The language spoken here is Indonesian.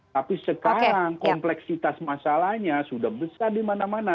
tapi sekarang kompleksitas masalahnya sudah besar dimana mana